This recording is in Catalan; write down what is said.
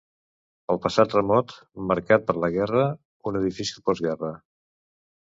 El passat remot, marcat per la guerra, una difícil postguerra...